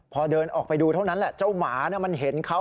พอเดินออกไปดูเท่านั้นแหละเจ้าหมามันเห็นเขา